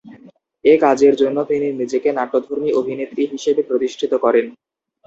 এই কাজের মাধ্যমে তিনি নিজেকে নাট্যধর্মী অভিনেত্রী হিসেবে প্রতিষ্ঠিত করেন।